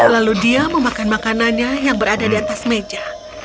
lalu dia memakan makanannya yang berada di atas meja